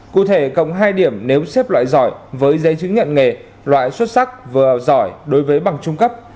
cụ thể cộng hai điểm nếu xếp loại giỏi với giấy chứng nhận nghề loại xuất sắc vừa học giỏi đối với bằng trung cấp